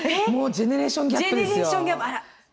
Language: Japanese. ジェネレーションギャップあら！